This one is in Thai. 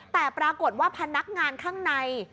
แต่ปรากฏว่าพนักงานข้างใน